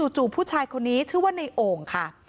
จู่ผู้ชายคนนี้ชื่อว่าในโอ่งค่ะ